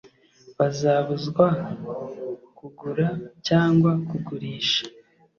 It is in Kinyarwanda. bazabuzwa kugura cyangwa kugurisha